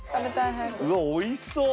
うわおいしそう。